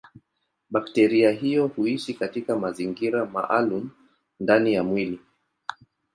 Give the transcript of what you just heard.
Bakteria hiyo huishi katika mazingira maalumu ndani ya mwili.